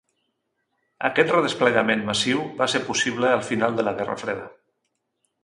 Aquest redesplegament massiu va ser possible al final de la Guerra Freda.